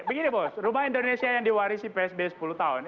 begini bos rumah indonesia yang diwarisi psb sepuluh tahun